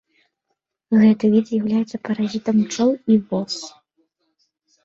Гэты від з'яўляецца паразітам пчол і вос.